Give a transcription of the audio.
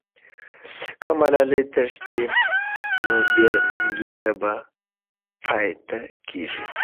که ملالۍ تښتي، نو بې ننګۍ ته پاتې کېږي.